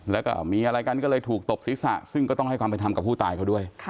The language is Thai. แล้วก็มีอะไรกันก็เลยถูกตบศีรษะซึ่งก็ต้องให้ความเป็นธรรมกับผู้ตายเขาด้วย